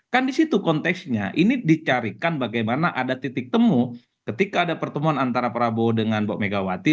kan di situ konteksnya ini dicarikan bagaimana ada titik temu ketika ada pertemuan antara prabowo dengan bu megawati